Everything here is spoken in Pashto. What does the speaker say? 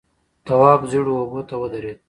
تواب ژېړو اوبو ته ودرېد.